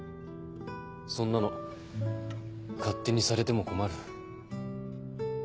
そんなの勝手にされても困る。